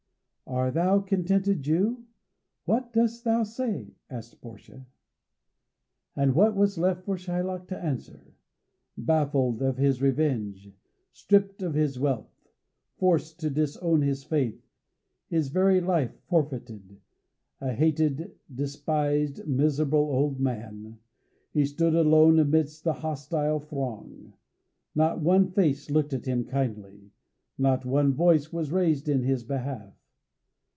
"Art thou contented, Jew? What dost thou say?" asked Portia. And what was left for Shylock to answer? Baffled of his revenge, stripped of his wealth, forced to disown his faith, his very life forfeited a hated, despised, miserable old man he stood alone amidst the hostile throng. Not one face looked at him kindly, not one voice was raised in his behalf.